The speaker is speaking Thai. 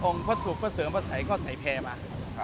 องค์พระสุขพระเสริมพระศัยก็ใส่แพลมา